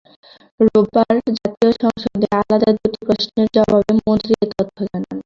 রোববার জাতীয় সংসদে আলাদা দুটি প্রশ্নের জবাবে মন্ত্রী এ তথ্য জানান।